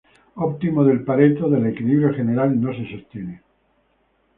Óptimo de Pareto del equilibrio general no se sostiene.